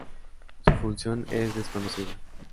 Su función es desconocida.